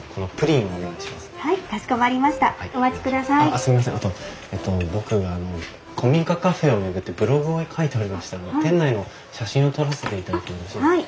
あと僕あの古民家カフェを巡ってブログを書いておりまして店内の写真を撮らせていただいてもよろしいですか？